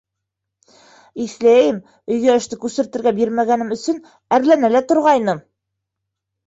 Иҫләйем, өйгә эште күсертергә бирмәгәнем өсөн әрләнә лә торғайным.